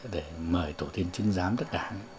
để mời tổ tiên chứng giám tất cả